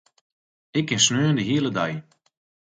Ik kin sneon de hiele dei.